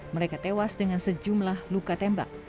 mereka tewas dengan sejumlah luka tembak